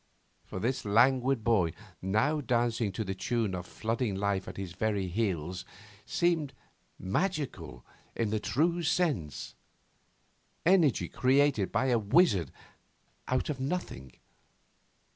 For this languid boy, now dancing to the tune of flooding life at his very heels, seemed magical in the true sense: energy created as by a wizard out of nothing.